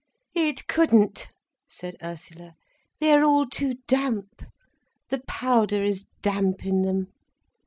"It couldn't," said Ursula. "They are all too damp, the powder is damp in them."